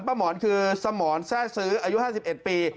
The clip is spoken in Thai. หมอนคือสมรแทร่ซื้ออายุ๕๑ปี